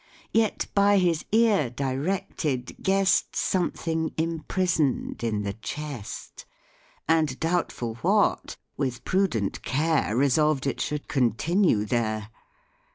Yet, by his ear directed, guess'd Something imprison'd in the chest, And, doubtful what, with prudent care Resolved it should continue there.